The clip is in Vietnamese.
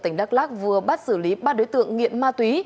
tỉnh đắk lắc vừa bắt xử lý ba đối tượng nghiện ma túy